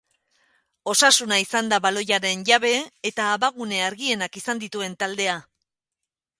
Osasuna izan da baloiaren jabe, eta abagune argienak izan dituen taldea.